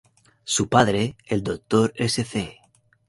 Su padre, el "Dr.sc.